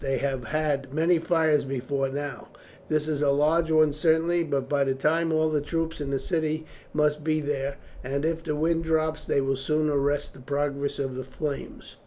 They have had many fires before now; this is a large one certainly, but by this time all the troops in the city must be there, and if the wind drops they will soon arrest the progress of the flames."